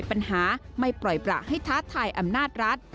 ปัญหาไม่ปล่อยประให้ท้าทายอำนาจรัฐ